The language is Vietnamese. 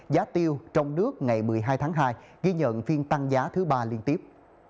giá tiêu trong nước ngày một mươi hai tháng hai ghi nhận phiên tăng giá thứ ba liên tiếp